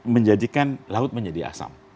menjadikan laut menjadi asam